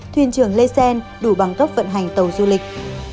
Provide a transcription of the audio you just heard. thuyền trưởng lê xen đủ bằng cấp vận hành tàu du lịch